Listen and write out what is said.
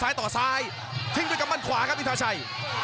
ซ้ายต่อซ้ายทิ้งโดยกำบันขวากับอินทราชัย